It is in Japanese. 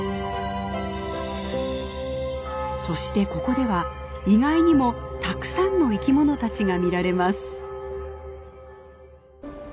そしてここでは意外にもたくさんの生き物たちが見られます。